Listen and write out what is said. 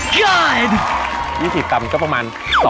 ๒๐ตันก็ประมาณ